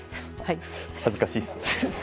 恥ずかしいです。